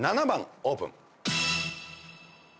７番オープン。